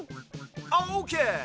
オーケー！